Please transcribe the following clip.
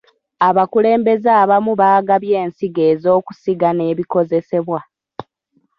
Abakulembezze abamu baagabye ensigo ez'okusiga n'ebikozesebwa.